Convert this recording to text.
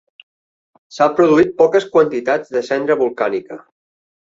S'han produït poques quantitats de cendra volcànica.